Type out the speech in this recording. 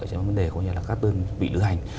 cho các tương vị lưu hành